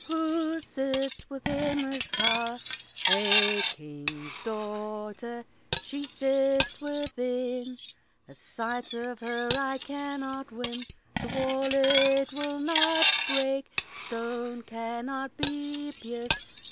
Who sits within this tower? A King's daughter, she sits within, A sight of her I cannot win, The wall it will not break, The stone cannot be pierced.